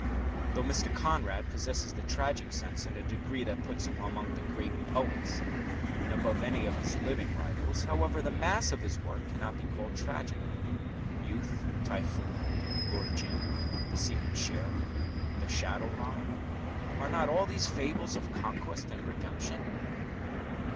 Though Mr. Conrad possesses the tragic sense in a degree that puts him among the great poets, and above any of his living rivals, however, the mass of his work cannot be called tragic. Youth, Typhoon, Lord Jim, The Secret Sharer, The Shadow Line are not all these fables of conquest and redemption?